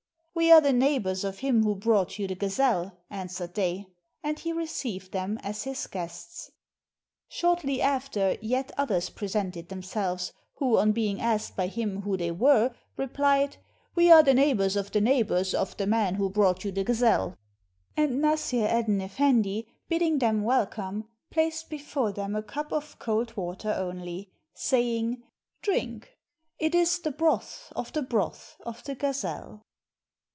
"We are the neighbors of him who brought you the gazelle," answered they; and he received them as his guests. Shortly after, yet others presented themselves, who on being asked by him who they were, replied: "We are the neighbors of the neighbors of the man who brought you the gazelle." And Nassr Eddyn Effendi, bidding them welcome, placed before them a cup of cold water only, saying, "Drink; it is the broth of the broth of the gazelle."